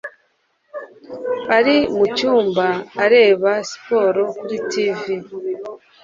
ari mucyumba, areba siporo kuri TV.